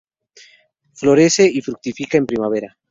Florece y fructifica en primavera.